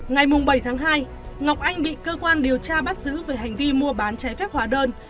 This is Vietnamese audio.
ngày bảy tháng hai ngọc anh bị cơ quan điều tra bắt giữ về hành vi mua bán trái phép hóa đơn